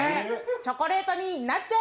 チョコレートになっちゃえ。